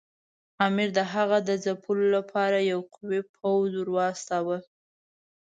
امیر د هغه د ځپلو لپاره یو قوي پوځ ورواستاوه.